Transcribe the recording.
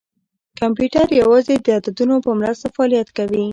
کمپیوټر یوازې د عددونو په مرسته فعالیت کوي.